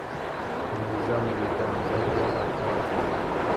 komeza mu biganza by'abatazi,